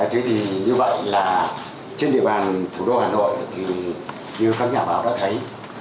thế thì như vậy là trên địa bàn thủ đô hà nội thì như các nhà báo đã thấy